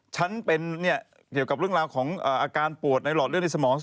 ฉันเป็นเกี่ยวกับเรื่องราวของอาการปวดในหลอดเลือดในสมอง